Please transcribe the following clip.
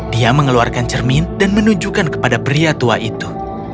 dia mengeluarkan cermin dan menunjukkan kepada pria tua itu